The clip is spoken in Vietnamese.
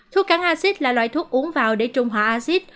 thuốc kháng acid là loại thuốc uống vào để trung hòa acid